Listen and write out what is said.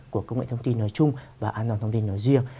của công nghệ thông tin nói chung và an toàn thông tin nói riêng